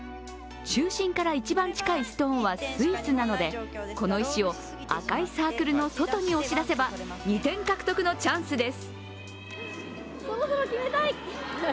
中心から一番近いストーンはスイスなので、この石を赤いサークルの外に押し出せば２点獲得のチャンスです。